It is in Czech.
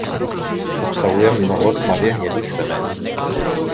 Obsahuje mnoho tmavě hnědých semen.